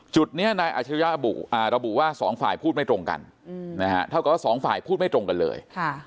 จุดนี้นายอาชริยะระบุว่าสองฝ่ายพูดไม่ตรงกันเท่ากับว่าสองฝ่ายพูดไม่ตรงกันเลย